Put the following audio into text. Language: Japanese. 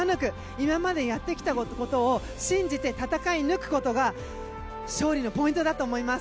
今までやってきたことを信じて戦い抜くことが勝利のポイントだと思います。